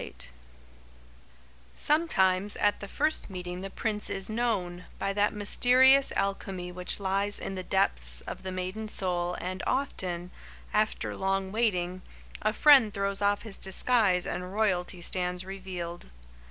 [Sidenote: At the First Meeting] Sometimes, at the first meeting The Prince is known, by that mysterious alchemy which lies in the depths of the maiden soul and often, after long waiting, a friend throws off his disguise and royalty stands revealed.